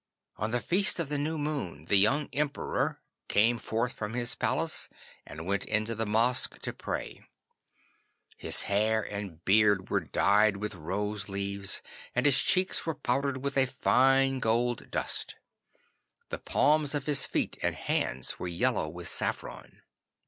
On the feast of the New Moon the young Emperor came forth from his palace and went into the mosque to pray. His hair and beard were dyed with rose leaves, and his cheeks were powdered with a fine gold dust. The palms of his feet and hands were yellow with saffron.